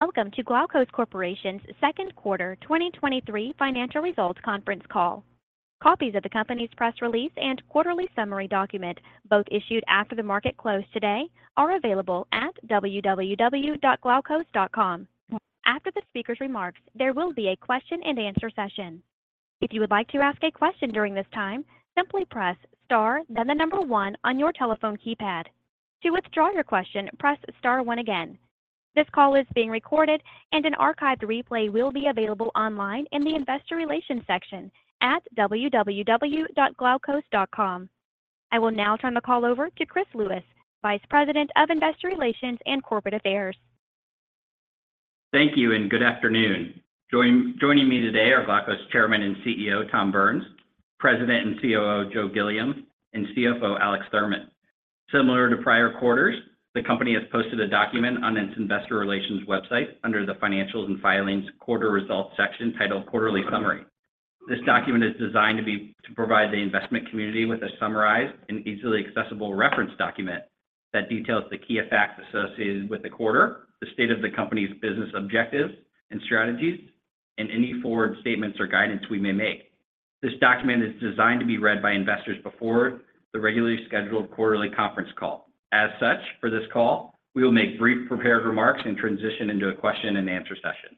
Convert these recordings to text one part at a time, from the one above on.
Welcome to Glaukos Corporation's second quarter, 2023 financial results conference call. Copies of the company's press release and Quarterly Summary document, both issued after the market close today, are available at www.glaukos.com. After the speaker's remarks, there will be a question and answer session. If you would like to ask a question during this time, simply press star, then one on your telephone keypad. To withdraw your question, press star one again. This call is being recorded, and an archived replay will be available online in the investor relations section at www.glaukos.com. I will now turn the call over to Chris Lewis, Vice President of Investor Relations and Corporate Affairs. Thank you. Good afternoon. Joining me today are Glaukos Chairman and CEO, Tom Burns; President and COO, Joe Gilliam; and CFO, Alex Thurman. Similar to prior quarters, the company has posted a document on its investor relations website under the Financials and Filings Quarter Results section titled "Quarterly Summary." This document is designed to provide the investment community with a summarized and easily accessible reference document that details the key effects associated with the quarter, the state of the company's business objectives and strategies, and any forward statements or guidance we may make. This document is designed to be read by investors before the regularly scheduled quarterly conference call. As such, for this call, we will make brief prepared remarks and transition into a question and answer session.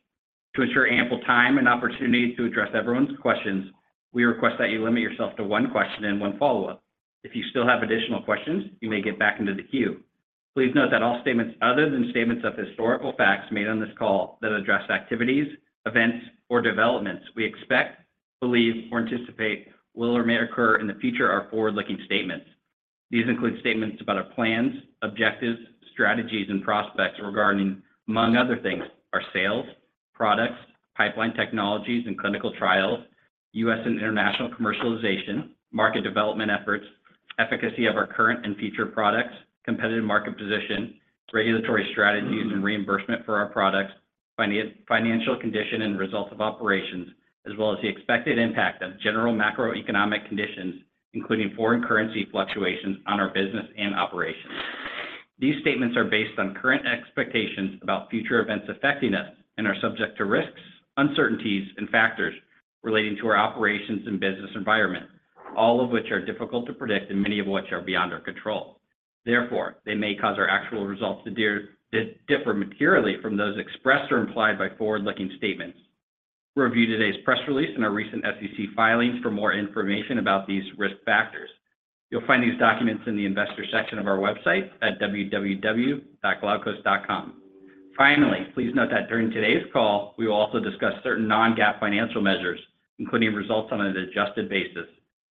To ensure ample time and opportunity to address everyone's questions, we request that you limit yourself to one question and one follow-up. If you still have additional questions, you may get back into the queue. Please note that all statements other than statements of historical facts made on this call that address activities, events, or developments we expect, believe, or anticipate will or may occur in the future are forward-looking statements. These include statements about our plans, objectives, strategies, and prospects regarding, among other things, our sales, products, pipeline technologies, and clinical trials, US and international commercialization, market development efforts, efficacy of our current and future products, competitive market position, regulatory strategies, and reimbursement for our products, financial condition and results of operations, as well as the expected impact of general macroeconomic conditions, including foreign currency fluctuations on our business and operations. These statements are based on current expectations about future events affecting us, and are subject to risks, uncertainties, and factors relating to our operations and business environment, all of which are difficult to predict and many of which are beyond our control. Therefore, they may cause our actual results to differ materially from those expressed or implied by forward-looking statements. Review today's press release, and our recent SEC filings for more information about these risk factors. You'll find these documents in the investor section of our website at www.glaukos.com. Finally, please note that during today's call, we will also discuss certain non-GAAP financial measures, including results on an adjusted basis.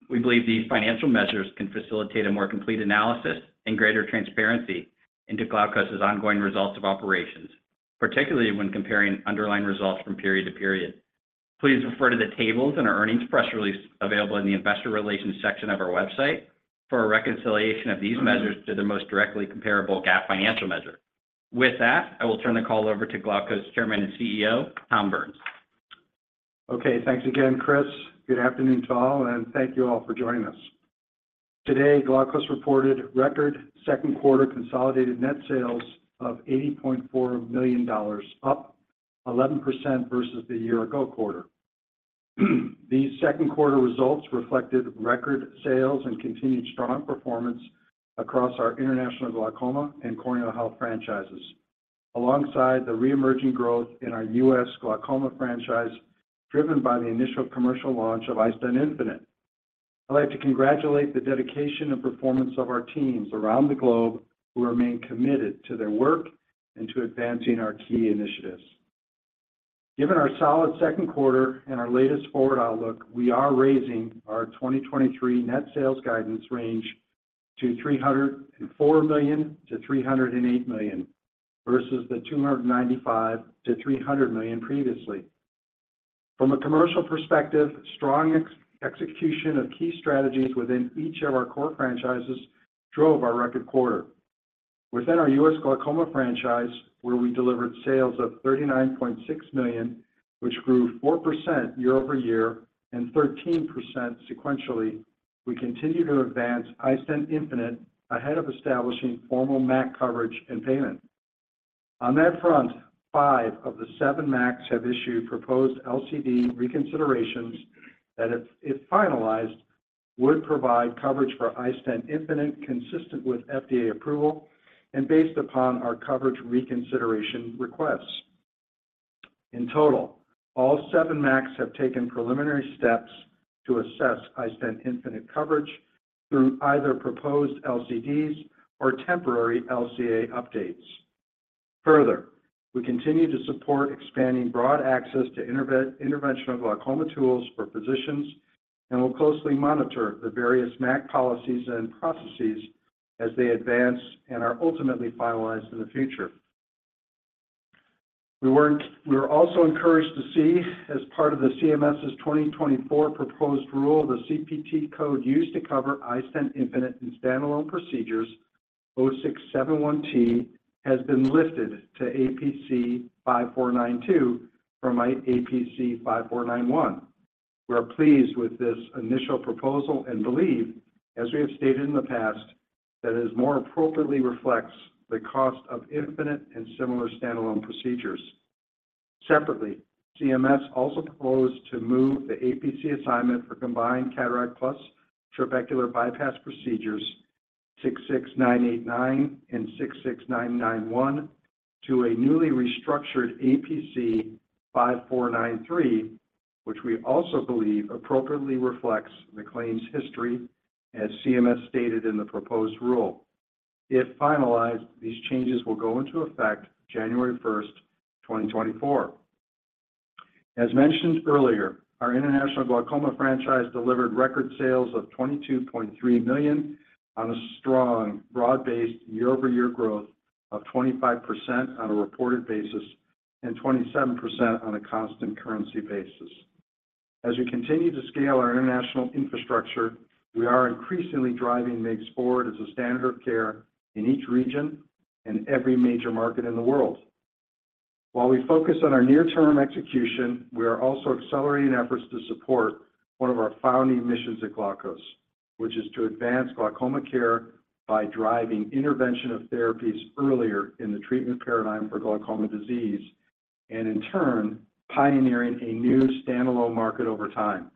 We believe these financial measures can facilitate a more complete analysis, and greater transparency into Glaukos's ongoing results of operations, particularly when comparing underlying results from period to period. Please refer to the tables in our earnings press release, available in the investor relations section of our website, for a reconciliation of these measures to the most directly comparable GAAP financial measure. With that, I will turn the call over to Glaukos, Chairman and CEO, Tom Burns. Okay, thanks again, Chris. Good afternoon to all, and thank you all for joining us. Today, Glaukos reported record second quarter consolidated net sales of $80.4 million, up 11% versus the year ago quarter. These second quarter results reflected record sales and continued strong performance across our International Glaucoma and Corneal Health franchises, alongside the reemerging growth in our US Glaucoma Franchise, driven by the initial commercial launch of iStent infinite. I'd like to congratulate the dedication and performance of our teams around the globe, who remain committed to their work and to advancing our key initiatives. Given our solid second quarter and our latest forward outlook, we are raising our 2023 net sales guidance range to $304 million-$308 million, versus the $295 million-$300 million previously. From a commercial perspective, strong execution of key strategies within each of our core franchises drove our record quarter. Within our US glaucoma franchise, where we delivered sales of $39.6 million, which grew 4% year-over-year and 13% sequentially, we continue to advance iStent infinite ahead of establishing formal MAC coverage and payment. On that front, five of the seven MACs have issued proposed LCD reconsiderations that, if finalized, would provide coverage for iStent infinite, consistent with FDA approval and based upon our coverage reconsideration requests. In total, all seven MACs have taken preliminary steps to assess iStent infinite coverage through either proposed LCDs or temporary LCA updates. Further, we continue to support expanding broad access to interventional glaucoma tools for physicians, and will closely monitor the various MAC policies and processes as they advance and are ultimately finalized in the future. We were also encouraged to see, as part of the CMS's 2024 proposed rule, the CPT code used to cover iStent infinite in standalone procedures, 0671T, has been lifted to APC 5492 from APC 5491. We are pleased with this initial proposal and believe, as we have stated in the past, that it more appropriately reflects the cost of infinite and similar standalone procedures. Separately, CMS also proposed to move the APC assignment for combined cataract plus trabecular bypass procedures, 66989 and 66991, to a newly restructured APC 5493, which we also believe appropriately reflects the claim's history, as CMS stated in the proposed rule. If finalized, these changes will go into effect January 1, 2024. As mentioned earlier, our international glaucoma franchise delivered record sales of $22.3 million on a strong, broad-based year-over-year growth of 25% on a reported basis and 27% on a constant currency basis. As we continue to scale our international infrastructure, we are increasingly driving MIGS forward as a standard of care in each region and every major market in the world. While we focus on our near-term execution, we are also accelerating efforts to support one of our founding missions at Glaukos, which is to advance glaucoma care by driving interventional therapies earlier in the treatment paradigm for glaucoma disease, and in turn, pioneering a new standalone market over time.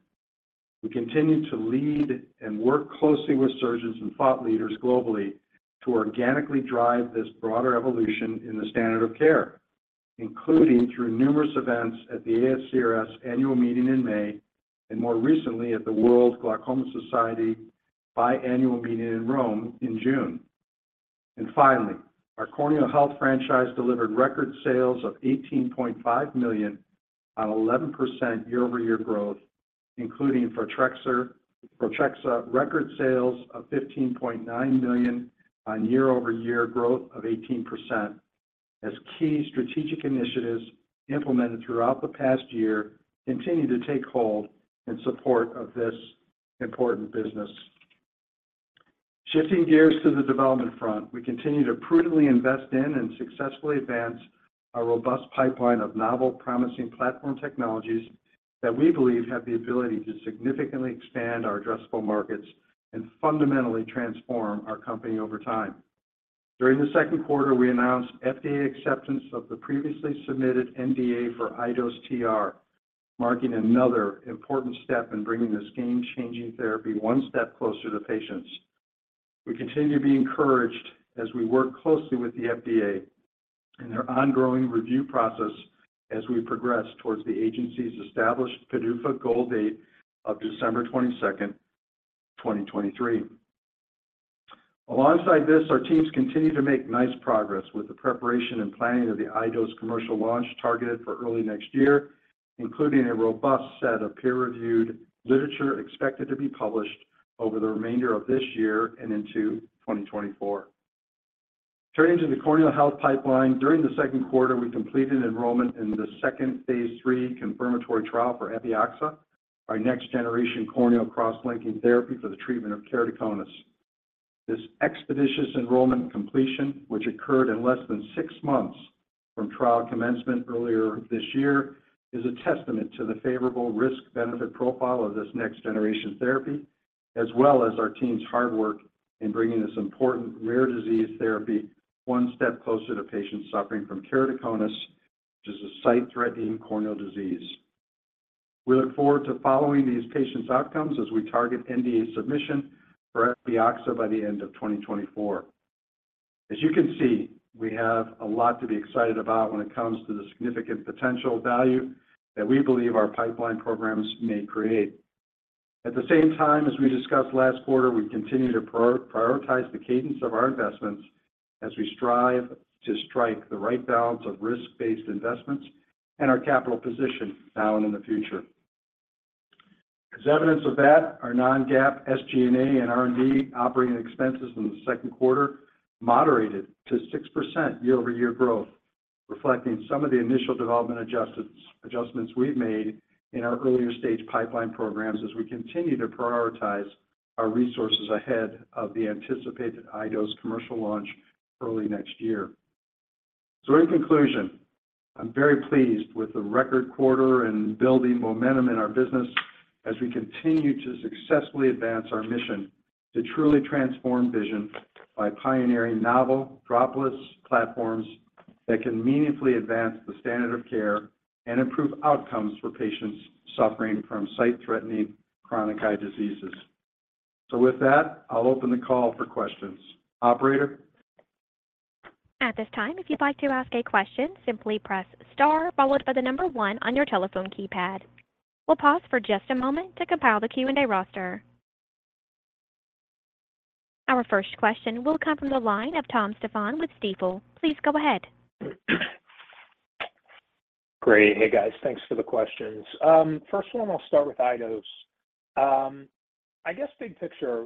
We continue to lead and work closely with surgeons and thought leaders globally to organically drive this broader evolution in the standard of care, including through numerous events at the ASCRS Annual Meeting in May, and more recently, at the World Glaucoma Society biannual meeting in Rome in June. Finally, our Corneal Health franchise delivered record sales of $18.5 million on 11% year-over-year growth, including for Photrexa record sales of $15.9 million on year-over-year growth of 18%, as key strategic initiatives implemented throughout the past year continue to take hold in support of this important business. Shifting gears to the development front, we continue to prudently invest in and successfully advance our robust pipeline of novel, promising platform technologies that we believe have the ability to significantly expand our addressable markets and fundamentally transform our company over time. During the second quarter, we announced FDA acceptance of the previously submitted NDA for iDose TR, marking another important step in bringing this game-changing therapy one step closer to patients. We continue to be encouraged as we work closely with the FDA in their ongoing review process as we progress towards the agency's established PDUFA goal date of December 22, 2023. Alongside this, our teams continue to make nice progress with the preparation and planning of the iDose commercial launch, targeted for early next year, including a robust set of peer-reviewed literature expected to be published over the remainder of this year and into 2024. Turning to the corneal health pipeline, during the second quarter, we completed enrollment in the second phase III confirmatory trial for Epioxa, our next-generation corneal cross-linking therapy for the treatment of keratoconus. This expeditious enrollment completion, which occurred in less than six months from trial commencement earlier this year, is a testament to the favorable risk-benefit profile of this next-generation therapy, as well as our team's hard work in bringing this important rare disease therapy one step closer to patients suffering from keratoconus, which is a sight-threatening corneal disease. We look forward to following these patients' outcomes as we target NDA submission for Epioxa by the end of 2024. As you can see, we have a lot to be excited about when it comes to the significant potential value that we believe our pipeline programs may create. At the same time, as we discussed last quarter, we continue to prioritize the cadence of our investments as we strive to strike the right balance of risk-based investments and our capital position now and in the future. As evidence of that, our non-GAAP SG&A and R&D operating expenses in the second quarter, moderated to 6% year-over-year growth, reflecting some of the initial development adjustments, adjustments we've made in our earlier-stage pipeline programs as we continue to prioritize our resources ahead of the anticipated iDose commercial launch early next year. In conclusion, I'm very pleased with the record quarter and building momentum in our business as we continue to successfully advance our mission to truly transform vision by pioneering novel dropless platforms that can meaningfully advance the standard of care and improve outcomes for patients suffering from sight-threatening chronic eye diseases. With that, I'll open the call for questions. Operator? At this time, if you'd like to ask a question, simply press star followed by the number one on your telephone keypad. We'll pause for just a moment to compile the Q&A roster. Our first question will come from the line of Tom Stephan with Stifel. Please go ahead. Great. Hey, guys. Thanks for the questions. First one, I'll start with iDose. I guess big picture,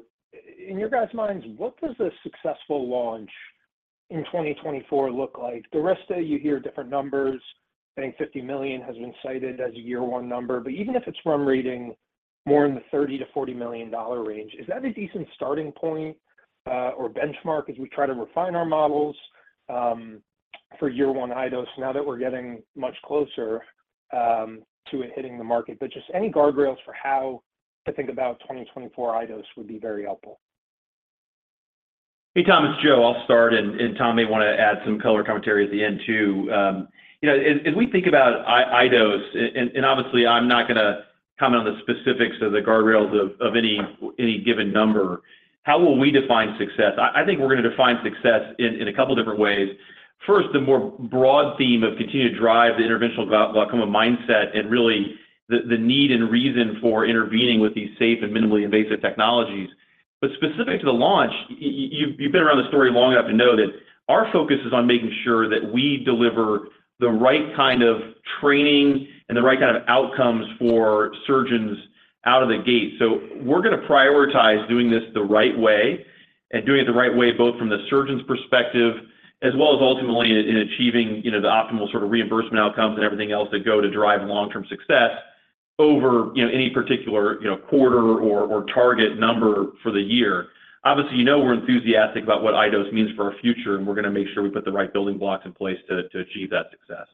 in your guys' minds, what does a successful launch in 2024 look like? The rest of you hear different numbers. I think $50 million has been cited as a year one number, but even if it's run rating more in the $30 million-$40 million range, is that a decent starting point, or benchmark as we try to refine our models? For year one iDose, now that we're getting much closer, to it hitting the market. Just any guardrails for how to think about 2024 iDose would be very helpful. Hey, Tom, it's Joe. I'll start, and Tom may wanna add some color commentary at the end, too. You know, as we think about iDose, and obviously I'm not gonna comment on the specifics of the guardrails of any given number, how will we define success? I think we're gonna define success in a couple different ways. First, the more broad theme of continue to drive the interventional glaucoma mindset, and really, the need and reason for intervening with these safe and minimally invasive technologies. Specific to the launch, you've been around the story long enough to know that our focus is on making sure that we deliver the right kind of training, and the right kind of outcomes for surgeons out of the gate. We're gonna prioritize doing this the right way, and doing it the right way, both from the surgeon's perspective, as well as ultimately in, in achieving, you know, the optimal sort of reimbursement outcomes and everything else that go to drive long-term success over, you know, any particular, you know, quarter or, or target number for the year. Obviously, you know we're enthusiastic about what iDose means for our future, and we're gonna make sure we put the right building blocks in place to, to achieve that success.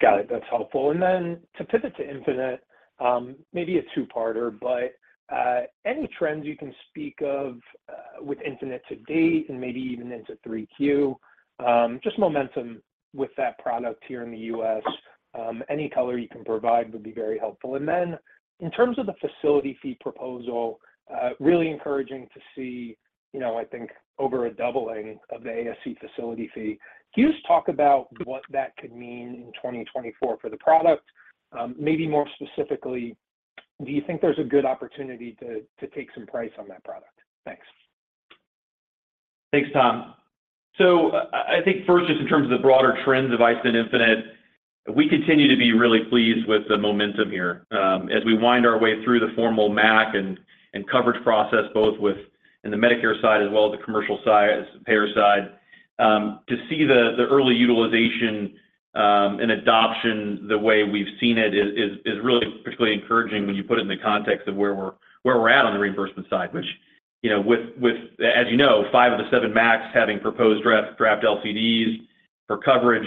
To pivot to Infinite, maybe a two-parter, but any trends you can speak of with Infinite to date and maybe even into 3Q? Just momentum with that product here in the U.S., any color you can provide would be very helpful. In terms of the facility fee proposal, really encouraging to see, you know, I think over a doubling of the ASC facility fee. Can you just talk about what that could mean in 2024 for the product? Maybe more specifically, do you think there's a good opportunity to take some price on that product? Thanks. Thanks, Tom. I, I think first, just in terms of the broader trends of iStent infinite, we continue to be really pleased with the momentum here. As we wind our way through the formal MAC and, and coverage process, both with... in the Medicare side, as well as the commercial side, payer side. To see the, the early utilization, and adoption the way we've seen it is, is, is really particularly encouraging when you put it in the context of where we're, where we're at on the reimbursement side, which, you know, with, with, as you know, five of the seven MACs having proposed draft, draft LCDs for coverage,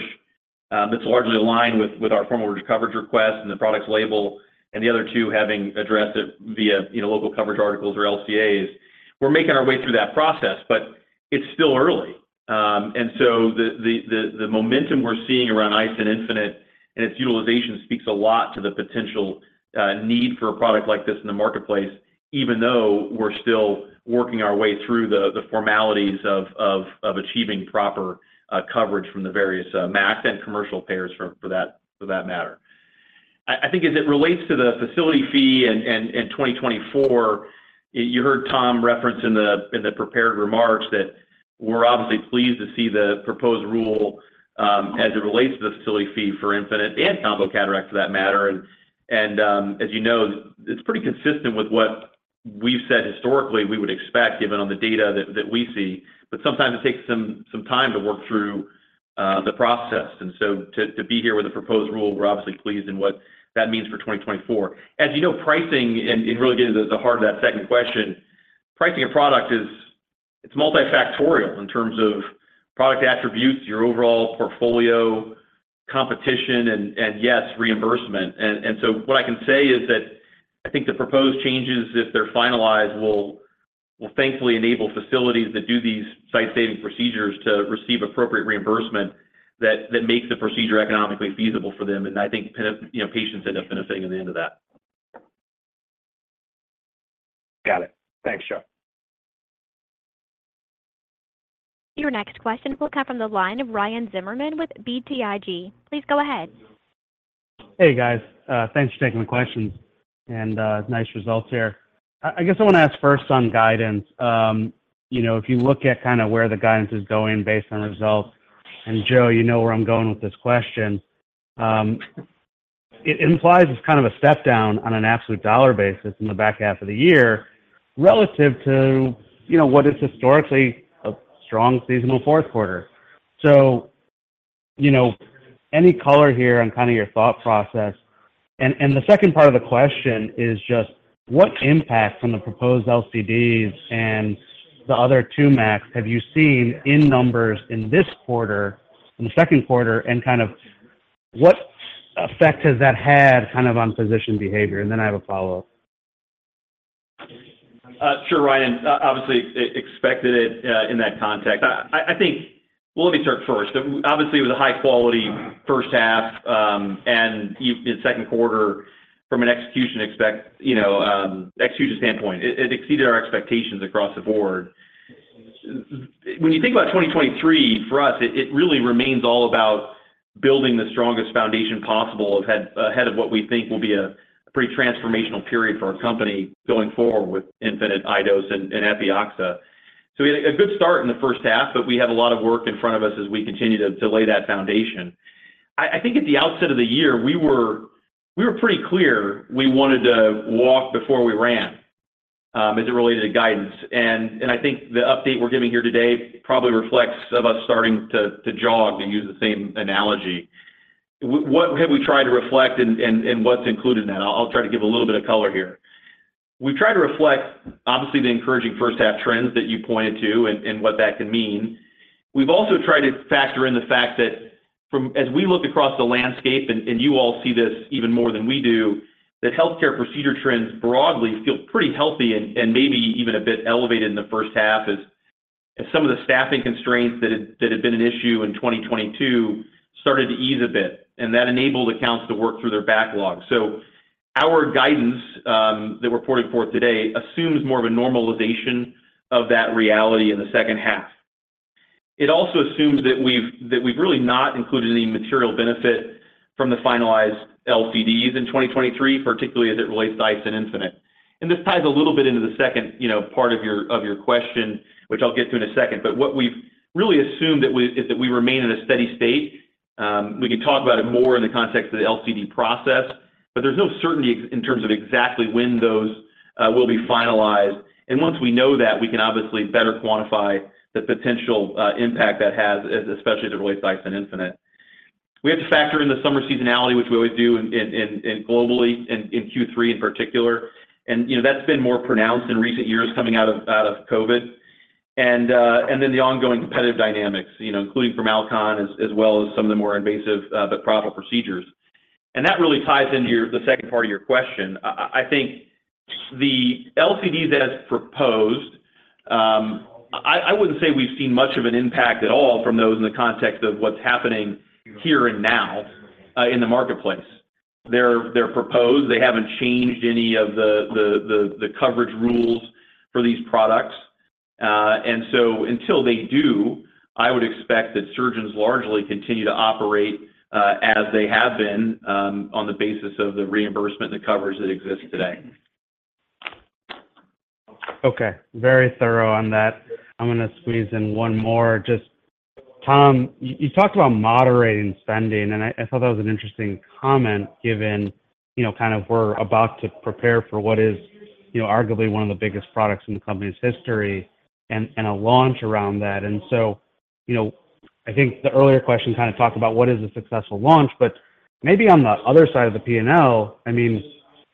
that's largely aligned with, with our formal coverage request and the product's label, and the other two having addressed it via, you know, local coverage articles or LCAs. We're making our way through that process, but it's still early. The, the, the, the momentum we're seeing around iStent infinite and its utilization speaks a lot to the potential, need for a product like this in the marketplace, even though we're still working our way through the, the formalities achieving proper, coverage from the various, MACs and commercial payers. I think as it relates to the facility fee 2024, you heard Tom reference in the, in the prepared remarks that we're obviously pleased to see the proposed rule, as it relates to the facility fee for Infinite and combo cataracts. As you know, it's pretty consistent with what we've said historically we would expect, given on the data that, that we see, but sometimes it takes some, some time to work through the process. To, to be here with a proposed rule, we're obviously pleased in what that means for 2024. As you know, pricing, really getting to the heart of that second question, pricing a product is, it's multifactorial in terms of product attributes, your overall portfolio, competition, yes, reimbursement. What I can say is that I think the proposed changes, if they're finalized, will, will thankfully enable facilities that do these sight-saving procedures to receive appropriate reimbursement that, that makes the procedure economically feasible for them. I think, you know, patients end up benefiting in the end of that. Got it. Thanks, Joe. Your next question will come from the line of Ryan Zimmerman with BTIG. Please go ahead. Hey, guys. Thanks for taking the questions, and nice results here. I, I guess I wanna ask first on guidance. You know, if you look at kind of where the guidance is going based on results, and Joe, you know where I'm going with this question, it implies it's kind of a step down on an absolute dollar basis in the back half of the year, relative to, you know, what is historically a strong seasonal fourth quarter? You know, any color here on kind of your thought process? The second part of the question is just what impact from the proposed LCDs and the other two MACs have you seen in numbers in this quarter, in the second quarter, and kind of what effect has that had kind of on physician behavior? I have a follow-up. Sure, Ryan. Obviously, expected it in that context. I think. Well, let me start first. Obviously, it was a high-quality first half, and the second quarter from an execution expect, you know, execution standpoint, it exceeded our expectations across the board. When you think about 2023, for us, it really remains all about building the strongest foundation possible ahead, ahead of what we think will be a pretty transformational period for our company going forward with Infinite, iDose, and Epioxa. A good start in the first half, but we have a lot of work in front of us as we continue to lay that foundation. I think at the outset of the year, we were pretty clear we wanted to walk before we ran as it related to guidance. I think the update we're giving here today probably reflects of us starting to, to jog, to use the same analogy. What have we tried to reflect, and, and what's included in that? I'll, I'll try to give a little bit of color here. We've tried to reflect, obviously, the encouraging first half trends that you pointed to and, and what that can mean. We've also tried to factor in the fact that as we look across the landscape, and, and you all see this even more than we do, that healthcare procedure trends broadly feel pretty healthy and, and maybe even a bit elevated in the first half, as, as some of the staffing constraints that had, that had been an issue in 2022 started to ease a bit, and that enabled accounts to work through their backlog. Our guidance that we're reporting for today assumes more of a normalization of that reality in the second half. It also assumes that we've really not included any material benefit from the finalized LCDs in 2023, particularly as it relates to iStent infinite. This ties a little bit into the second, you know, part of your question, which I'll get to in a second. What we've really assumed is that we remain in a steady state. We can talk about it more in the context of the LCD process, but there's no certainty in terms of exactly when those will be finalized. Once we know that, we can obviously better quantify the potential impact that has, especially as it relates to iStent infinite. We have to factor in the summer seasonality, which we always do in globally, in Q3 in particular. You know, that's been more pronounced in recent years coming out of, out of COVID. Then the ongoing competitive dynamics, you know, including from Alcon as, as well as some of the more invasive, but profitable procedures. That really ties into your the second part of your question. I, I, I think the LCD that is proposed, I, I wouldn't say we've seen much of an impact at all from those in the context of what's happening here and now in the marketplace. They're, they're proposed, they haven't changed any of the coverage rules for these products. Until they do, I would expect that surgeons largely continue to operate, as they have been, on the basis of the reimbursement and the coverage that exists today. Okay, very thorough on that. I'm going to squeeze in one more. Just, Tom, you, you talked about moderating spending, and I, I thought that was an interesting comment, given, you know, kind of we're about to prepare for what is, you know, arguably one of the biggest products in the company's history and, and a launch around that? So, you know, I think the earlier question kind of talked about what is a successful launch, but maybe on the other side of the P&L, I mean,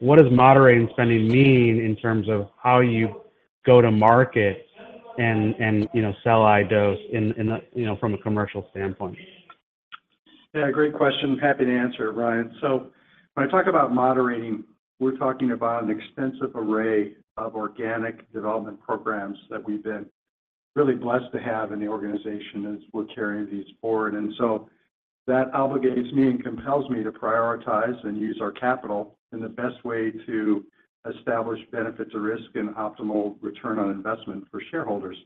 what does moderating spending mean in terms of how you go to market and, and, you know, sell iDose in, in a, you know, from a commercial standpoint? Yeah, great question. Happy to answer it, Ryan. When I talk about moderating, we're talking about an extensive array of organic development programs that we've been really blessed to have in the organization as we're carrying these forward. That obligates me and compels me to prioritize and use our capital in the best way to establish benefits of risk and optimal return on investment for shareholders.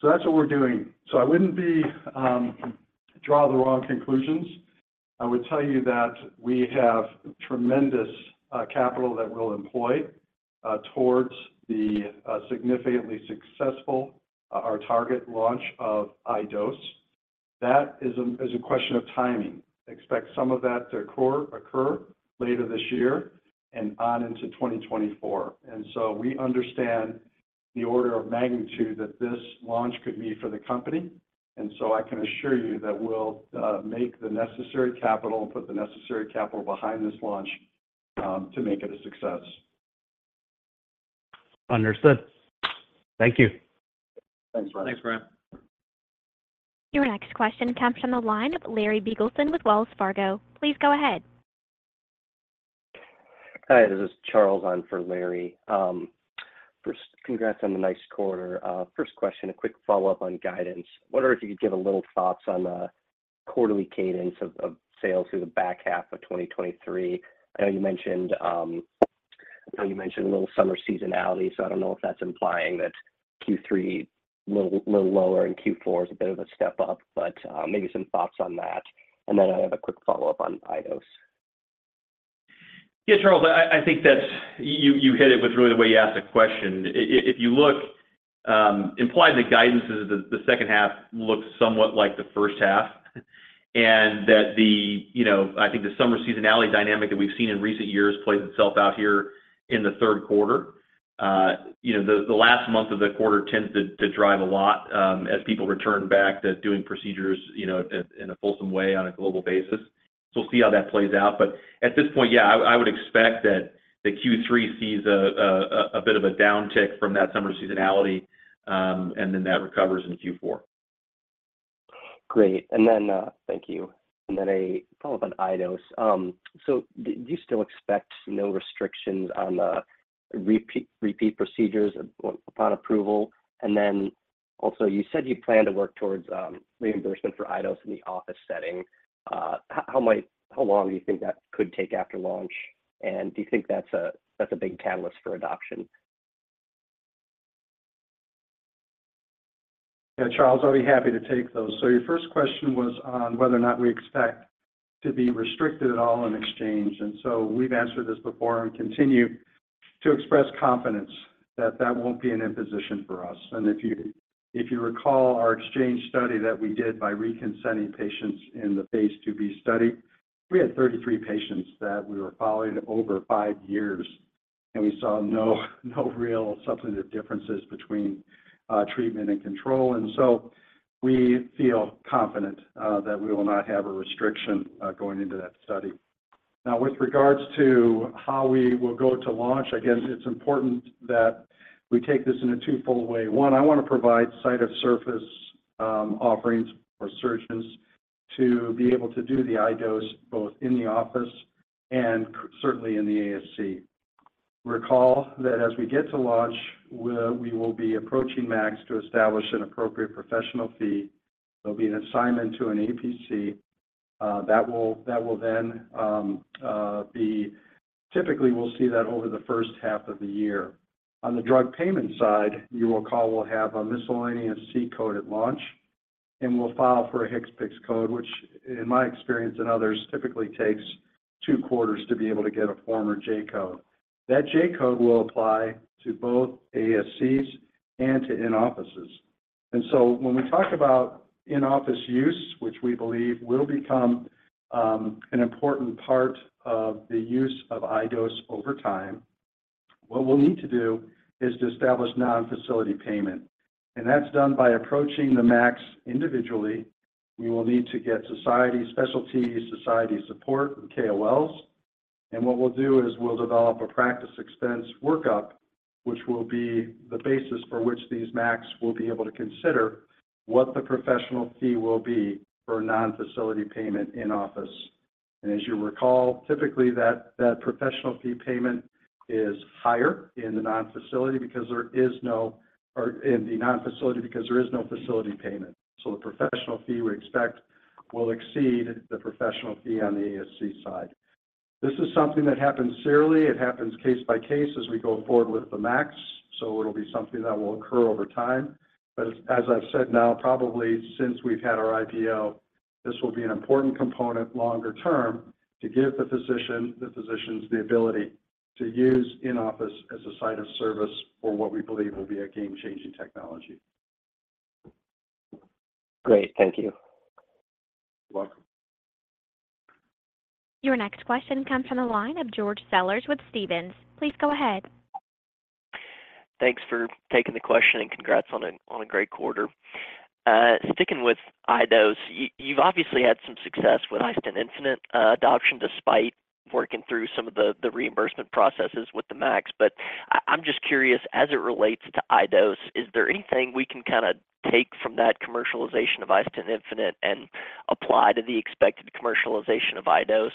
That's what we're doing. I wouldn't be, draw the wrong conclusions. I would tell you that we have tremendous capital that we'll employ towards the significantly successful our target launch of iDose. That is a, is a question of timing. Expect some of that to occur, occur later this year and on into 2024. We understand the order of magnitude that this launch could be for the company, and so I can assure you that we'll make the necessary capital and put the necessary capital behind this launch to make it a success. Understood. Thank you. Thanks, Ryan. Thanks, Ryan. Your next question comes from the line of Larry Biegelsen with Wells Fargo. Please go ahead. Hi, this is Charles. I'm for Larry. First, congrats on the nice quarter. First question, a quick follow-up on guidance. Wonder if you could give a little thoughts on the quarterly cadence of, of sales through the back half of 2023? I know you mentioned, I know you mentioned a little summer seasonality, so I don't know if that's implying that Q3 little, little lower and Q4 is a bit of a step up, but, maybe some thoughts on that? I have a quick follow-up on iDose. Yeah, Charles, I, I think that you, you hit it with really the way you asked the question. If, if, if you look, implied the guidance is that the second half looks somewhat like the first half, and that the, you know, I think the summer seasonality dynamic that we've seen in recent years plays itself out here in the third quarter. You know, the, the last month of the quarter tends to, to drive a lot, as people return back to doing procedures, you know, in, in a fulsome way on a global basis. We'll see how that plays out. At this point, yeah, I, I would expect that the Q3 sees a, a, a bit of a downtick from that summer seasonality, and then that recovers in Q4. Great. Thank you. So do you still expect no restrictions on the repeat, repeat procedures upon approval? You said you plan to work towards reimbursement for iDose in the office setting. How long do you think that could take after launch? Do you think that's a, that's a big catalyst for adoption? Yeah, Charles, I'll be happy to take those. Your first question was on whether or not we expect to be restricted at all in exchange, we've answered this before and continue to express confidence that that won't be an imposition for us. If you, if you recall our exchange study that we did by re-consenting patients in the phase II-B study, we had 33 patients that we were following over five years, and we saw no, no real substantive differences between treatment and control. We feel confident that we will not have a restriction going into that study. Now, with regards to how we will go to launch, again, it's important that we take this in a twofold way. One, I want to provide site of surface, offerings for surgeons to be able to do the iDose both in the office and certainly in the ASC. Recall that as we get to launch, we, we will be approaching MACs to establish an appropriate professional fee. There'll be an assignment to an APC, that will, that will then, typically, we'll see that over the first half of the year. On the drug payment side, you will call, we'll have a miscellaneous C-code at launch, and we'll file for a HCPCS code, which in my experience and others, typically takes two quarters to be able to get a former J-code. That J-code will apply to both ASCs and to in-offices. When we talk about in-office use, which we believe will become an important part of the use of iDose over time, what we'll need to do is to establish non-facility payment, and that's done by approaching the MACs individually. We will need to get society specialty, society support, and KOLs. What we'll do is we'll develop a practice expense workup, which will be the basis for which these MACs will be able to consider what the professional fee will be for a non-facility payment in-office. As you recall, typically, that, that professional fee payment is higher in the non-facility because there is no... or in the non-facility because there is no facility payment. The professional fee we expect will exceed the professional fee on the ASC side. This is something that happens serially. It happens case by case as we go forward with the MACs, so it'll be something that will occur over time. As I've said now, probably since we've had our IPO, this will be an important component longer term to give the physician, the physicians, the ability to use in-office as a site of service for what we believe will be a game-changing technology. Great, thank you. You're welcome. Your next question comes from the line of George Sellers with Stephens. Please go ahead. Thanks for taking the question. Congrats on a great quarter. Sticking with iDose, you've obviously had some success with iStent infinite adoption, despite working through some of the reimbursement processes with the MACs. I'm just curious, as it relates to iDose, is there anything we can kinda take from that commercialization of iStent infinite and apply to the expected commercialization of iDose?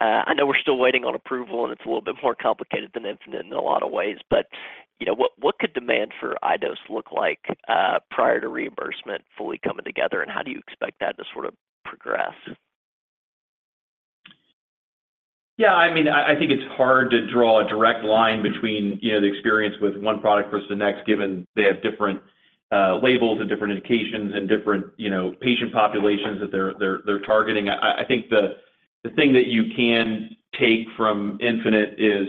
I know we're still waiting on approval, and it's a little bit more complicated than Infinite in a lot of ways, but, you know, what could demand for iDose look like prior to reimbursement fully coming together? How do you expect that to sort of progress? Yeah, I mean, I, I think it's hard to draw a direct line between, you know, the experience with one product versus the next, given they have different labels and different indications and different, you know, patient populations that they're, they're, they're targeting. I, I think the thing that you can take from Infinite is,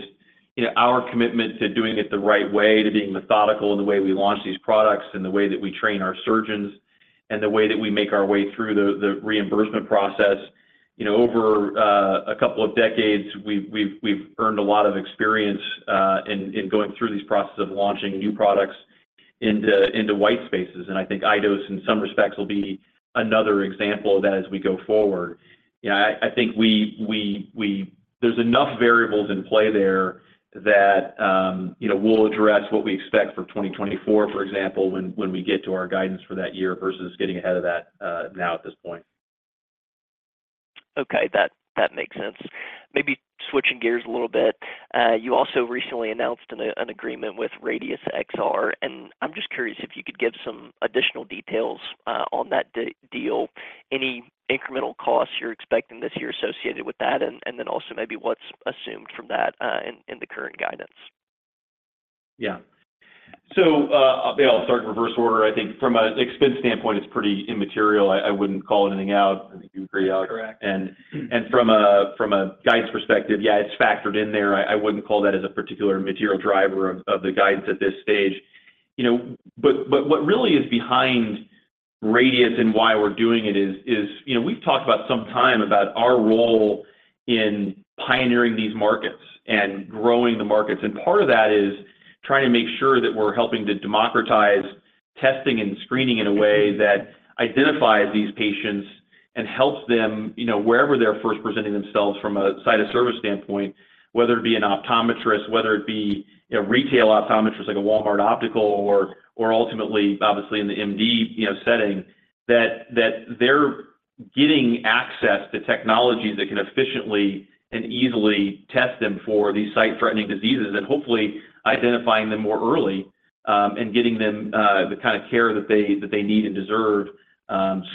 you know, our commitment to doing it the right way, to being methodical in the way we launch these products, and the way that we train our surgeons, and the way that we make our way through the reimbursement process. You know, over a couple of decades, we've, we've, we've earned a lot of experience in going through these processes of launching new products into white spaces. I think iDose, in some respects, will be another example of that as we go forward. You know, I, I think we there's enough variables in play there that, you know, we'll address what we expect for 2024, for example, when, when we get to our guidance for that year versus getting ahead of that, now at this point. Okay, that, that makes sense. Maybe switching gears a little bit, you also recently announced an agreement with RadiusXR, and I'm just curious if you could give some additional details on that deal, any incremental costs you're expecting this year associated with that, and then also maybe what's assumed from that in the current guidance? Yeah. I'll start in reverse order. I think from a expense standpoint, it's pretty immaterial. I, I wouldn't call anything out. I think you agree, Alex? Correct. From a, from a guidance perspective, yeah, it's factored in there. I, I wouldn't call that as a particular material driver of, of the guidance at this stage. You know, but, but what really is behind RadiusXR and why we're doing it is, is, you know, we've talked about some time about our role in pioneering these markets and growing the markets, and part of that is trying to make sure that we're helping to democratize testing and screening in a way that identifies these patients and helps them, you know, wherever they're first presenting themselves from a site of service standpoint. Whether it be an optometrist, whether it be a retail optometrist, like a Walmart Optical, or, or ultimately, obviously in the MD, you know, setting, that, that they're getting access to technologies that can efficiently and easily test them for these site-threatening diseases. Hopefully, identifying them more early, and getting them the kind of care that they, that they need and deserve,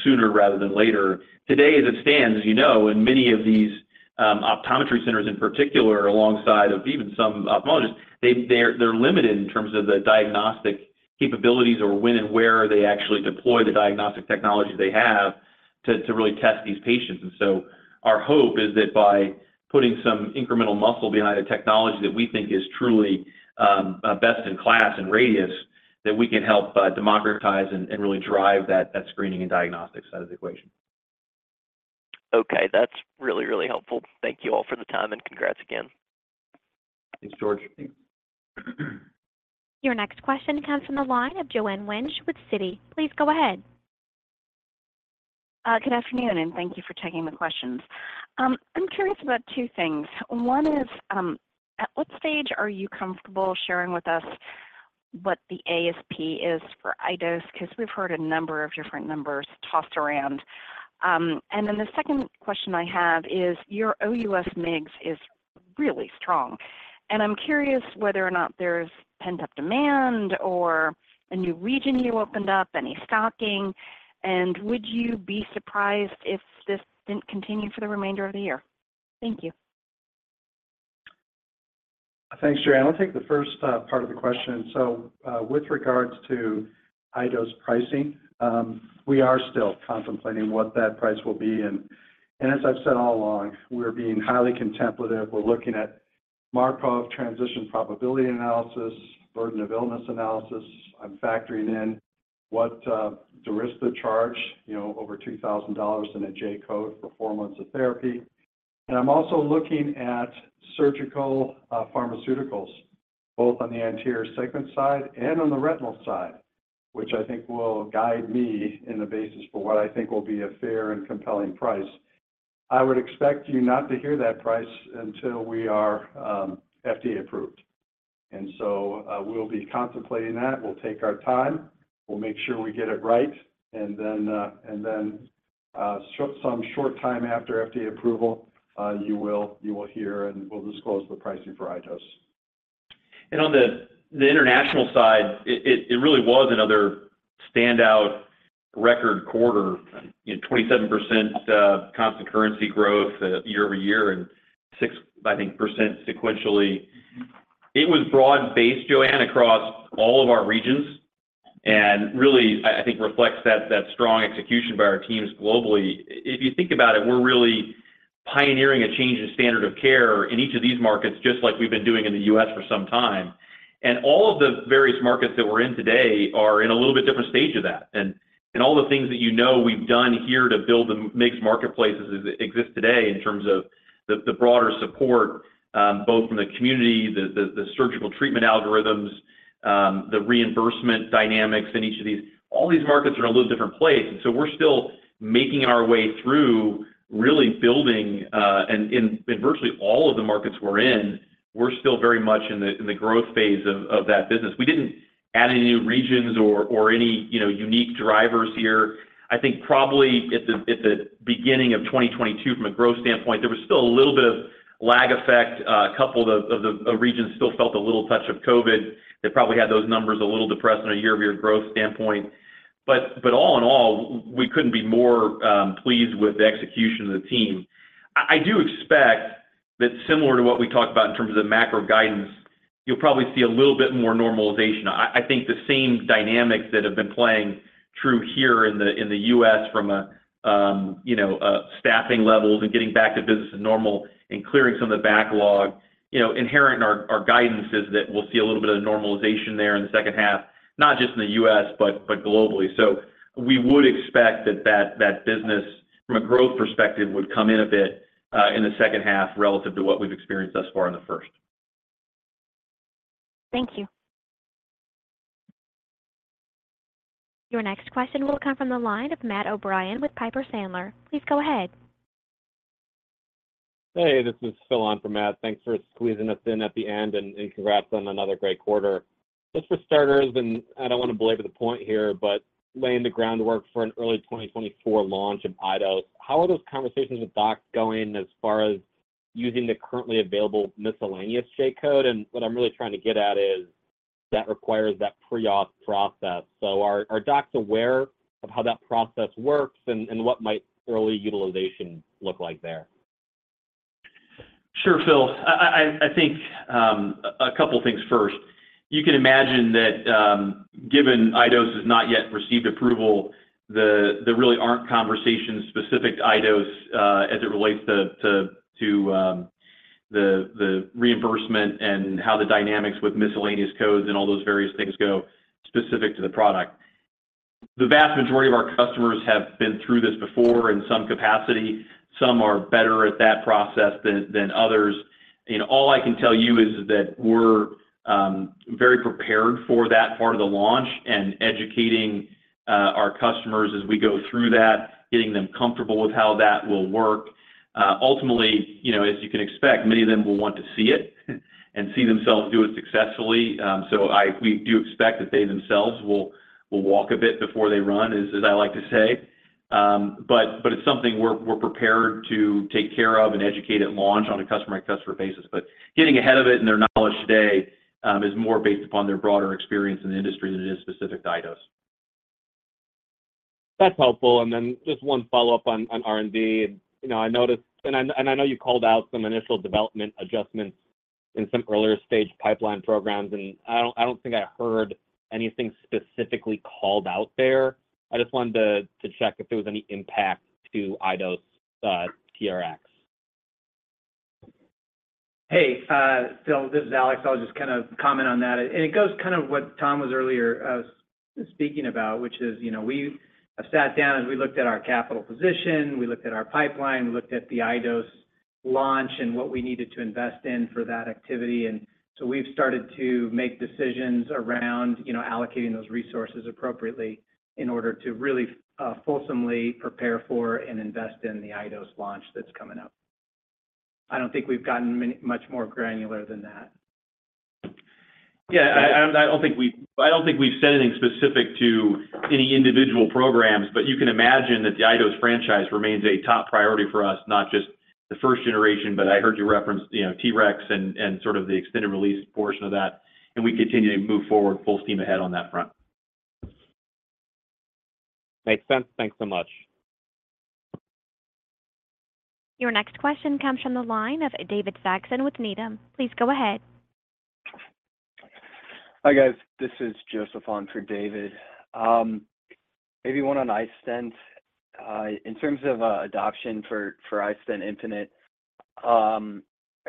sooner rather than later. Today, as it stands, as you know, in many of these optometry centers in particular, alongside of even some ophthalmologists, they're, they're limited in terms of the diagnostic capabilities or when and where they actually deploy the diagnostic technology they have to, to really test these patients. Our hope is that by putting some incremental muscle behind a technology that we think is truly best in class in RadiusXR, that we can help democratize and really drive that, that screening and diagnostic side of the equation. Okay. That's really, really helpful. Thank you all for the time, and congrats again. Thanks, George. Your next question comes from the line of Joanne Wuensch with Citi. Please go ahead. Good afternoon. Thank you for taking the questions. I'm curious about two things. One is, at what stage are you comfortable sharing with us what the ASP is for iDose? Because we've heard a number of different numbers tossed around. The second question I have is, your OUS MIGS is really strong, and I'm curious whether or not there's pent-up demand or a new region you opened up, any stocking, and would you be surprised if this didn't continue for the remainder of the year? Thank you. Thanks, Joanne. I'll take the first part of the question. With regards to iDose pricing, we are still contemplating what that price will be, and as I've said all along, we're being highly contemplative. We're looking at Markov transition probability analysis, burden of illness analysis. I'm factoring in what Durysta charge, you know, over $2,000 in a J-code for four months of therapy. I'm also looking at surgical pharmaceuticals, both on the anterior segment side and on the retinal side, which I think will guide me in the basis for what I think will be a fair and compelling price. I would expect you not to hear that price until we are FDA approved. We'll be contemplating that. We'll take our time, we'll make sure we get it right, and then, and then, some short time after FDA approval, you will, you will hear, and we'll disclose the pricing for iDose. On the international side, it really was another standout record quarter. You know, 27% constant currency growth year-over-year, and 6%, I think, sequentially. It was broad-based, Joanne, across all of our regions, and really, I, I think, reflects that strong execution by our teams globally. If you think about it, we're really pioneering a change in standard of care in each of these markets, just like we've been doing in the U.S. for some time. All of the various markets that we're in today are in a little bit different stage of that. All the things that you know we've done here to build the MIGS marketplace as it exists today, in terms of the broader support, both from the community, the surgical treatment algorithms, the reimbursement dynamics in each of these. All these markets are in a little different place, and so we're still making our way through really building. In virtually all of the markets we're in, we're still very much in the growth phase of that business. We didn't add any new regions or any, you know, unique drivers here. I think probably at the beginning of 2022, from a growth standpoint, there was still a little bit of lag effect. A couple of the regions still felt a little touch of COVID. They probably had those numbers a little depressed on a year-over-year growth standpoint. All in all, we couldn't be more pleased with the execution of the team. I, I do expect that similar to what we talked about in terms of the macro guidance, you'll probably see a little bit more normalization. I, I think the same dynamics that have been playing true here in the, in the U.S. from a, you know, a staffing levels and getting back to business as normal and clearing some of the backlog. You know, inherent in our, our guidance is that we'll see a little bit of normalization there in the second half, not just in the U.S., but, but globally. We would expect that, that, that business, from a growth perspective, would come in a bit in the second half relative to what we've experienced thus far in the first. Thank you. Your next question will come from the line of Matt O'Brien with Piper Sandler. Please go ahead. Hey, this is Phil on for Matt. Thanks for squeezing us in at the end, congrats on another great quarter. Just for starters, I don't want to belabor the point here, but laying the groundwork for an early 2024 launch of iDose, how are those conversations with docs going as far as using the currently available miscellaneous J-code? What I'm really trying to get at is, that requires that pre-op process. Are, are docs aware of how that process works and, and what might early utilization look like there? Sure, Phil. I, I, I, I think a couple things first. You can imagine that, given iDose has not yet received approval, the, there really aren't conversations specific to iDose, as it relates to, to, to, the, the reimbursement and how the dynamics with miscellaneous codes, and all those various things go specific to the product. The vast majority of our customers have been through this before in some capacity. Some are better at that process than, than others, and all I can tell is that we're very prepared for that part of the launch and educating our customers as we go through that, getting them comfortable with how that will work. Ultimately, you know, as you can expect, many of them will want to see it, and see themselves do it successfully. We do expect that they themselves will, will walk a bit before they run, as, as I like to say. It's something we're, we're prepared to take care of and educate at launch on a customer-by-customer basis. Getting ahead of it and their knowledge today is more based upon their broader experience in the industry than it is specific to iDose. That's helpful, and then just one follow-up on, on R&D. You know, I noticed. I, and I know you called out some initial development adjustments in some earlier stage pipeline programs, and I don't, I don't think I heard anything specifically called out there. I just wanted to, to check if there was any impact to iDose TRX. Hey, Phil, this is Alex. I'll just kind of comment on that. It goes kind of what Tom was earlier speaking about, which is, you know, we have sat down as we looked at our capital position, we looked at our pipeline, we looked at the iDose launch and what we needed to invest in for that activity. We've started to make decisions around, you know, allocating those resources appropriately in order to really fulsomely prepare for and invest in the iDose launch that's coming up. I don't think we've gotten much more granular than that. Yeah, I don't think we've said anything specific to any individual programs, but you can imagine that the iDose franchise remains a top priority for us, not just the first generation, but I heard you reference, you know, TRX and, and sort of the extended release portion of that, and we continue to move forward full steam ahead on that front. Makes sense. Thanks so much. Your next question comes from the line of David Saxon with Needham. Please go ahead. Hi, guys. This is Joseph on for David. Maybe one on iStent? In terms of, adoption for, for iStent infinite, are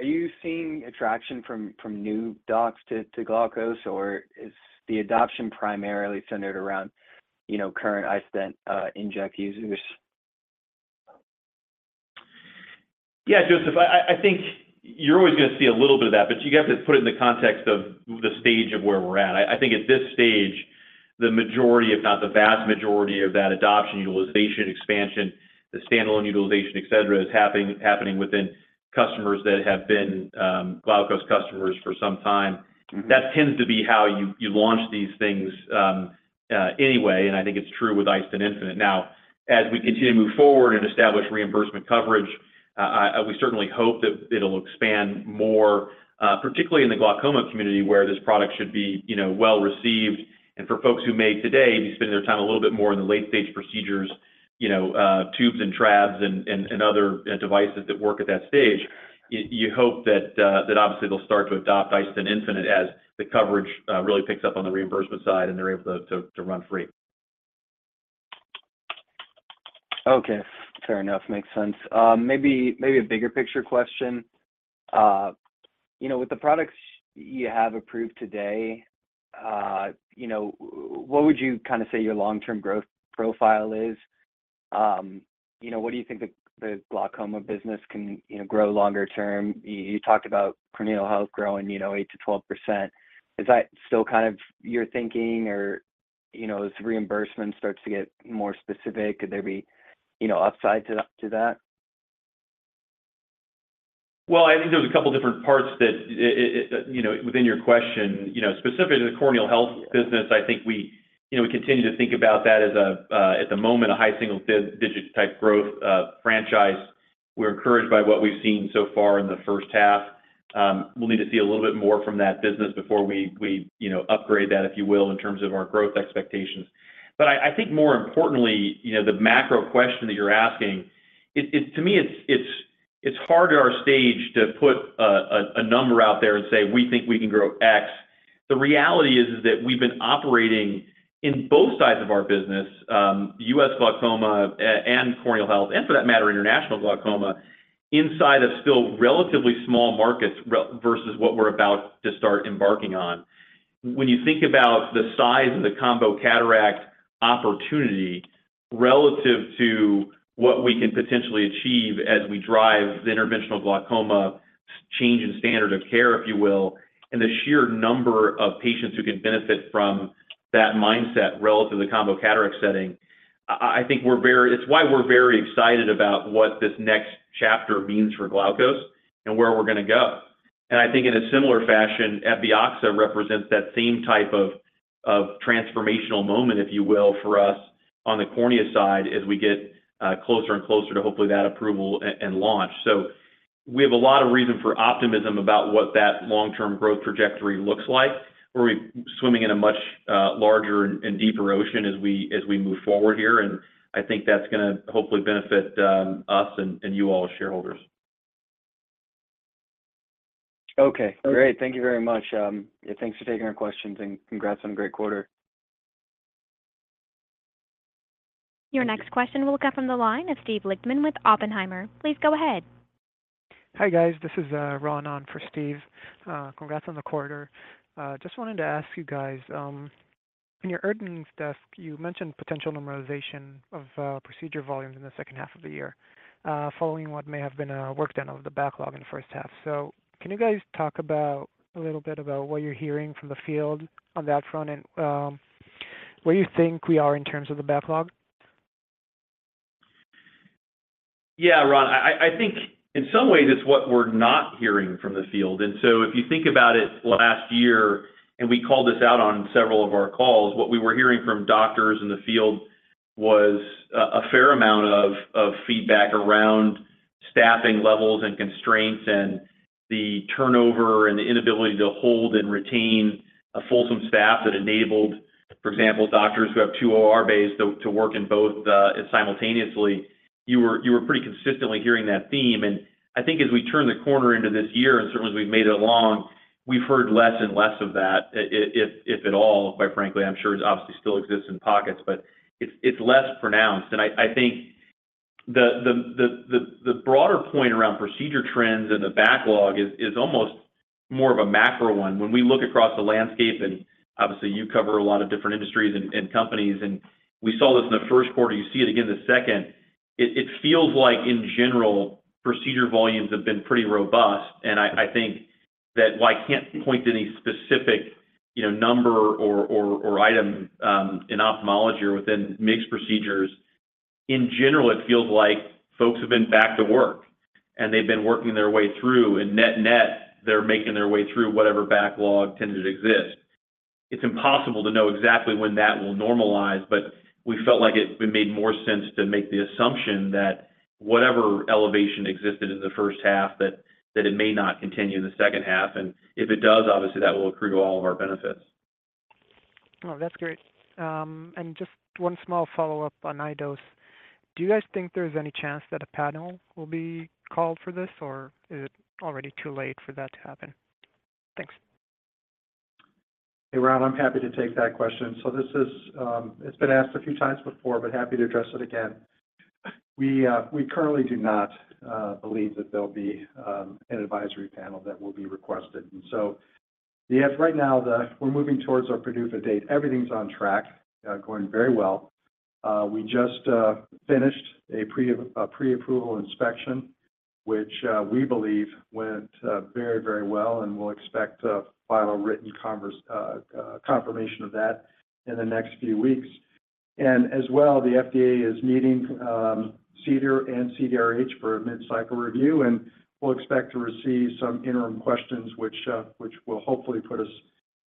you seeing attraction from, from new docs to, to Glaukos, or is the adoption primarily centered around, you know, current iStent, inject users? Yeah, Joseph, I, I, I think you're always gonna see a little bit of that, but you have to put it in the context of the stage of where we're at. I, I think at this stage, the majority, if not the vast majority of that adoption, utilization, expansion, the standalone utilization, et cetera, is happening, happening within customers that have been Glaukos customers for some time. Mm-hmm. That tends to be how you, you launch these things, anyway, and I think it's true with iStent infinite. Now, as we continue to move forward and establish reimbursement coverage, we certainly hope that it'll expand more, particularly in the glaucoma community, where this product should be, you know, well-received. For folks who may today be spending their time a little bit more in the late-stage procedures, you know, tubes and trabs and, and, and other devices that work at that stage, you hope that obviously they'll start to adopt iStent infinite as the coverage really picks up on the reimbursement side, and they're able to run free. Okay. Fair enough. Makes sense. Maybe, maybe a bigger picture question. You know, with the products you have approved today, you know, what would you kind of say your long-term growth profile is? You know, what do you think the, the glaucoma business can, you know, grow longer term? You, you talked about corneal health growing, you know, 8%-12%. Is that still kind of your thinking, or, you know, as reimbursement starts to get more specific, could there be, you know, upside to that? Well, I think there's a couple different parts that, you know, within your question. You know, specific to the Corneal Health business, I think we, you know, we continue to think about that as a, at the moment, a high single dig- digit type growth franchise. We're encouraged by what we've seen so far in the first half. We'll need to see a little bit more from that business before we, we, you know, upgrade that, if you will, in terms of our growth expectations. I, I think more importantly, you know, the macro question that you're asking, to me, it's, it's, it's hard at our stage to put a, a, a number out there and say, "We think we can grow X." The reality is, is that we've been operating in both sides of our business, US glaucoma, and corneal health, and for that matter, international glaucoma, inside of still relatively small markets versus what we're about to start embarking on. When you think about the size of the combo cataract opportunity relative to what we can potentially achieve as we drive the interventional glaucoma change in standard of care, if you will, and the sheer number of patients who can benefit from that mindset relative to the combo cataract setting, I think we're very excited about what this next chapter means for Glaukos and where we're gonna go. And I think in a similar fashion, Epioxa represents that same type of transformational moment, if you will, for us on the cornea side as we get closer and closer to hopefully that approval and launch. We have a lot of reason for optimism about what that long-term growth trajectory looks like, where we're swimming in a much, larger and, and deeper ocean as we, as we move forward here, and I think that's gonna hopefully benefit, us and, and you all as shareholders. Okay. Great. Thank you very much. Yeah, thanks for taking our questions, and congrats on a great quarter. Your next question will come from the line of Steve Lichtman with Oppenheimer. Please go ahead. Hi, guys. This is Ron on for Steve. Congrats on the quarter. Just wanted to ask you guys, in your earnings desk, you mentioned potential normalization of procedure volumes in the second half of the year, following what may have been a work down of the backlog in the first half. Can you guys talk a little bit about what you're hearing from the field on that front and, where you think we are in terms of the backlog? Yeah, Ron, I think in some ways it's what we're not hearing from the field. If you think about it last year, and we called this out on several of our calls, what we were hearing from doctors in the field was a fair amount of feedback around staffing levels and constraints, and the turnover, and the inability to hold and retain a fulsome staff that enabled, for example, doctors who have two OR bays to work in both simultaneously. You were pretty consistently hearing that theme. I think as we turn the corner into this year, and certainly as we've made it along, we've heard less and less of that, if at all, quite frankly. I'm sure it obviously still exists in pockets, but it's less pronounced. I think-... The broader point around procedure trends and the backlog is almost more of a macro one. When we look across the landscape, and obviously, you cover a lot of different industries and companies, and we saw this in the first quarter, you see it again in the second, it feels like in general, procedure volumes have been pretty robust. I think that while I can't point to any specific, you know, number or item, in ophthalmology or within mixed procedures, in general, it feels like folks have been back to work, and they've been working their way through. Net-net, they're making their way through whatever backlog tended to exist. It's impossible to know exactly when that will normalize, but we felt like it would made more sense to make the assumption that whatever elevation existed in the first half, that it may not continue in the second half, and if it does, obviously, that will accrue to all of our benefits. Well, that's great. Just one small follow-up on iDose. Do you guys think there's any chance that a panel will be called for this, or is it already too late for that to happen? Thanks. Hey, Rob, I'm happy to take that question. This is, it's been asked a few times before, but happy to address it again. We, we currently do not believe that there'll be an advisory panel that will be requested. Yes, right now, we're moving towards our PDUFA date. Everything's on track, going very well. We just finished a pre-approval inspection, which we believe went very, very well and we'll expect to file a written confirmation of that in the next few weeks. As well, the FDA is meeting CDER and CDRH for a mid-cycle review, and we'll expect to receive some interim questions, which will hopefully put us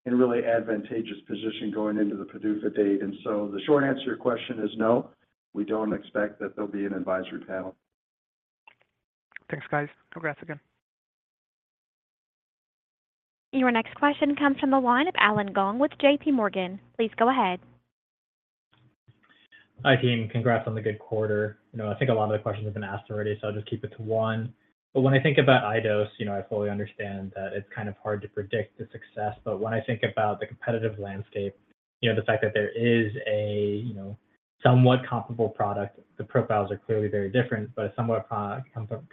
in a really advantageous position going into the PDUFA date. The short answer to your question is no, we don't expect that there'll be an advisory panel. Thanks, guys. Congrats again. Your next question comes from the line of Allen Gong with JPMorgan. Please go ahead. Hi, team. Congrats on the good quarter. You know, I think a lot of the questions have been asked already, so I'll just keep it to one. When I think about iDose, you know, I fully understand that it's kind of hard to predict the success. When I think about the competitive landscape, you know, the fact that there is a, you know, somewhat comparable product, the profiles are clearly very different, but a somewhat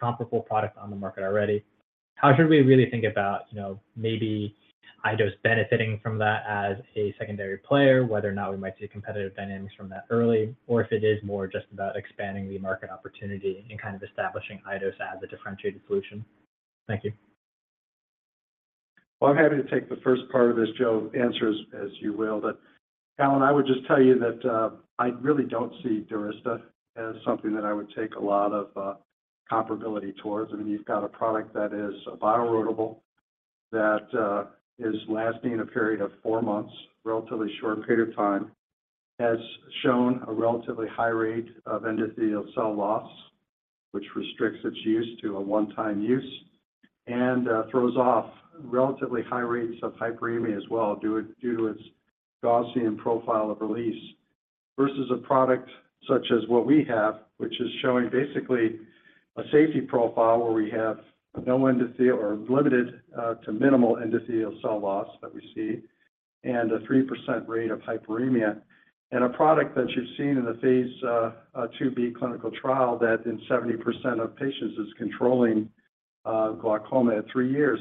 comparable product on the market already. How should we really think about, you know, maybe iDose benefiting from that as a secondary player, whether or not we might see competitive dynamics from that early, or if it is more just about expanding the market opportunity and kind of establishing iDose as a differentiated solution? Thank you. Well, I'm happy to take the first part of this, Joe, answer as, as you will. Alan, I would just tell you that I really don't see Durysta as something that I would take a lot of comparability towards. I mean, you've got a product that is a bioerodible, that is lasting a period of four months, relatively short period of time, has shown a relatively high rate of endothelial cell loss, which restricts its use to a one-time use, and throws off relatively high rates of hyperemia as well, due to its Gaussian profile of release. Versus a product such as what we have, which is showing basically a safety profile where we have no endothelial or limited to minimal endothelial cell loss that we see, and a 3% rate of hyperemia, and a product that you've seen in the phase II-B clinical trial, that in 70% of patients is controlling glaucoma at three years.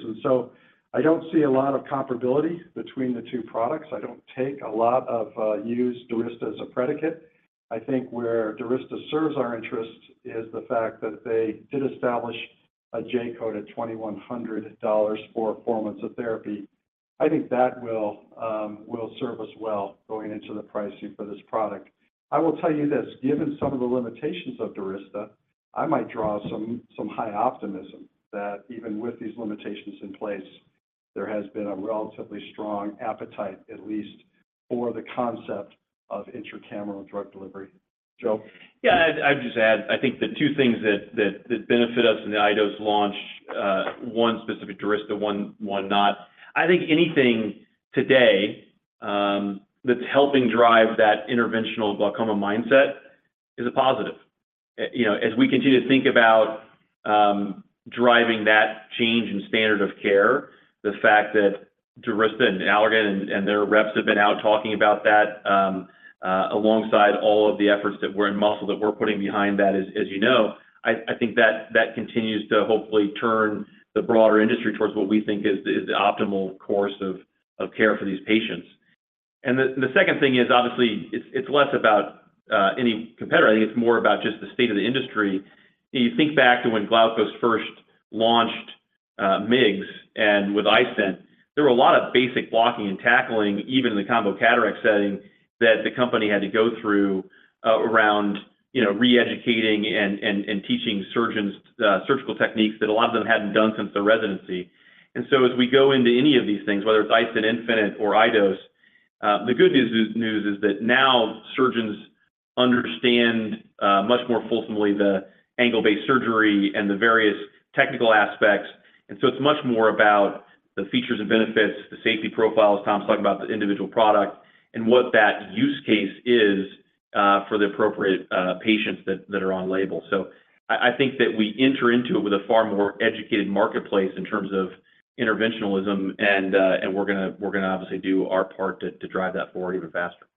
I don't see a lot of comparability between the two products. I don't take a lot of use Durysta as a predicate. I think where Durysta serves our interest is the fact that they did establish a J-code at $2,100 for four months of therapy. I think that will will serve us well going into the pricing for this product. I will tell you this, given some of the limitations of Durysta, I might draw some high optimism that even with these limitations in place, there has been a relatively strong appetite, at least for the concept of intraocular drug delivery. Joe? Yeah, I'd, I'd just add, I think the two things that, that, that benefit us in the iDose launch, one specific to Durysta, one, one not. I think anything today, that's helping drive that interventional glaucoma mindset is a positive. You know, as we continue to think about, driving that change in standard of care, the fact that Durysta and Allergan and, and their reps have been out talking about that, alongside all of the efforts that we're in muscle, that we're putting behind that, as, as you know, I, I think that, that continues to hopefully turn the broader industry towards what we think is, is the optimal course of, of care for these patients. The, the second thing is, obviously, it's, it's less about, any competitor. I think it's more about just the state of the industry. You think back to when Glaukos first launched MIGS, and with iStent, there were a lot of basic blocking and tackling, even in the combo cataract setting, that the company had to go through around, you know, reeducating and, and, and teaching surgeons surgical techniques that a lot of them hadn't done since their residency. So as we go into any of these things, whether it's iStent infinite or iDose, the good news is that now surgeons understand much more fulsomely the angle-based surgery and the various technical aspects. So it's much more about the features and benefits, the safety profile, as Tom's talking about, the individual product, and what that use case is for the appropriate patients that are on label. So. I, I think that we enter into it with a far more educated marketplace in terms of interventionalism, and we're gonna obviously do our part to, to drive that forward even faster.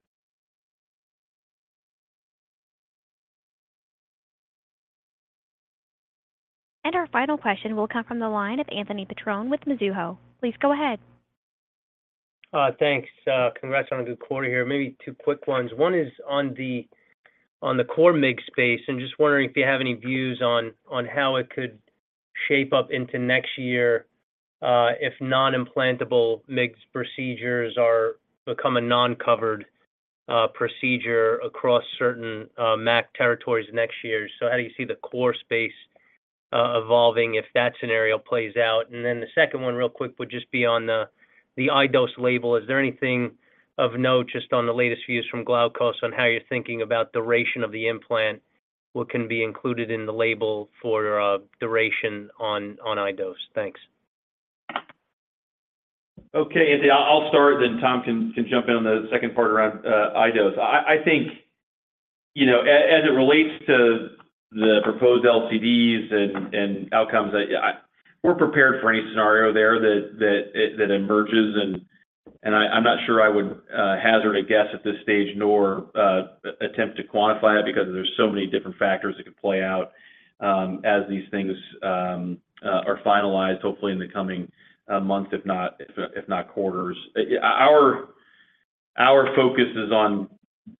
Our final question will come from the line of Anthony Petrone with Mizuho. Please go ahead. Thanks. Congrats on a good quarter here. Maybe two quick ones. One is on the, on the core MIGS space, and just wondering if you have any views on, on how it could shape up into next year, if non-implantable MIGS procedures are become a non-covered procedure across certain MAC territories next year? How do you see the core space evolving if that scenario plays out? The second one, real quick, would just be on the iDose label. Is there anything of note, just on the latest views from Glaukos, on how you're thinking about duration of the implant? What can be included in the label for duration on iDose? Thanks. Okay, Anthony, I'll start, then Tom can, can jump in on the second part around iDose. I, I think, you know, as it relates to the proposed LCDs and outcomes, yeah, we're prepared for any scenario there that, that emerges, and I, I'm not sure I would hazard a guess at this stage, nor attempt to quantify it, because there's so many different factors that could play out as these things are finalized, hopefully in the coming months, if not, if, if not quarters. Yeah, our, our focus is on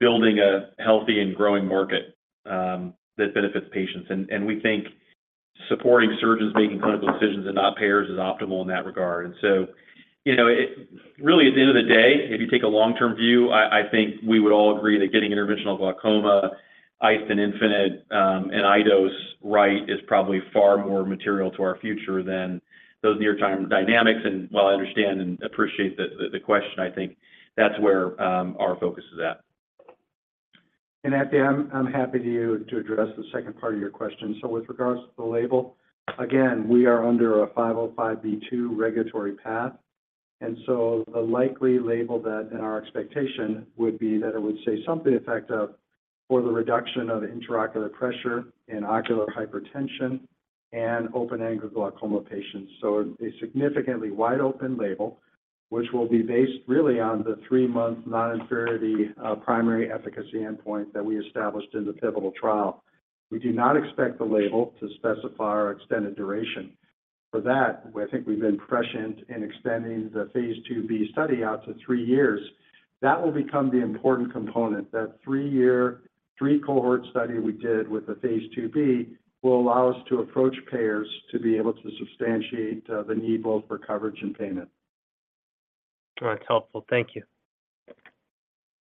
building a healthy and growing market that benefits patients. We think supporting surgeons making clinical decisions and not payers is optimal in that regard. So, you know, it really, at the end of the day, if you take a long-term view, I, I think we would all agree that getting interventional glaucoma, iStent Infinite, and iDose right is probably far more material to our future than those near-term dynamics. While I understand and appreciate the, the, the question, I think that's where our focus is at. Anthony, I'm happy to address the second part of your question. With regards to the label, again, we are under a 505 B 2 regulatory path, and so the likely label that in our expectation would be that it would say something to the effect of, for the reduction of intraocular pressure in ocular hypertension and open-angle glaucoma patients. A significantly wide-open label, which will be based really on the three month non-inferiority primary efficacy endpoint that we established in the pivotal trial. We do not expect the label to specify our extended duration. For that, I think we've been prescient in extending the phase II-B study out to three years. That will become the important component. That three-year, three-cohort study we did with the phase II-B will allow us to approach payers to be able to substantiate the need both for coverage and payment. All right. Helpful. Thank you.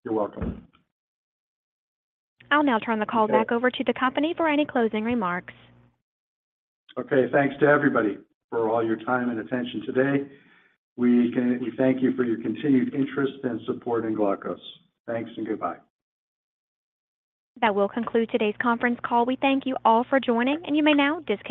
You're welcome. I'll now turn the call back over to the company for any closing remarks. Okay, thanks to everybody for all your time and attention today. We thank you for your continued interest and support in Glaukos. Thanks and goodbye. That will conclude today's conference call. We thank you all for joining, and you may now disconnect.